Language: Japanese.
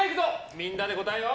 みんなで答えを。